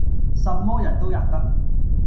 什麼人都喫得。